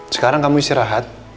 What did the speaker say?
sekarang kamu istirahat